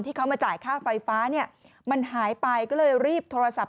ที่เขามาจ่ายค่าไฟฟ้าเนี่ยมันหายไปก็เลยรีบโทรศัพท์